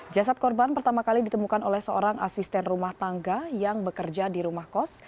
jasad korban pertama kali ditemukan oleh seorang asisten rumah tangga yang bekerja di rumah kos